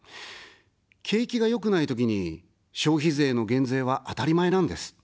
景気が良くないときに、消費税の減税は当たり前なんです。